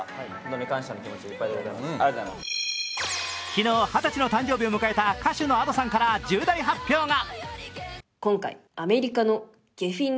昨日、二十歳の誕生日を迎えた歌手のＡｄｏさんから重大発表が。